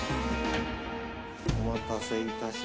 お待たせいたしました。